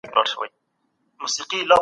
سیاستپوهنه به نوي ابعاد ومومي.